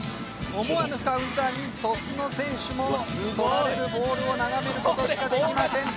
思わぬカウンターに鳥栖の選手も取られるボールを眺める事しかできません。